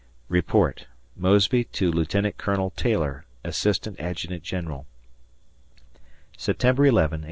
] [Report, Mosby to Lieutenant Colonel Taylor, Assistant Adjutant General] September 11, 1864.